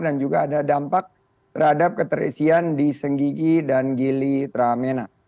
dan juga ada dampak terhadap keterisian di senggigi dan gili tramena